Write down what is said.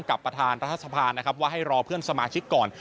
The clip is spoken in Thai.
กับประธานรัฐสะพานให้รอเพื่อนสมาชิกก่อน